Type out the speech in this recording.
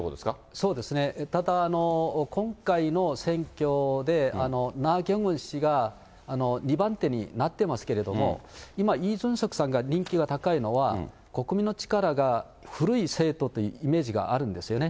そうですね、ただ、今回の選挙で、ナ・ギョンウォン氏が２番手になってますけど、今、イ・ジュンソクさんが人気が高いのは、国民の力が古い政党というイメージがあるんですよね。